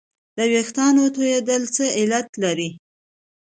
د وېښتانو تویدل څه علت لري